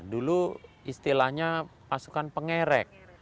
dulu istilahnya pasukan pengerek